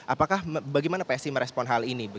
apakah bagaimana psi merespon hal ini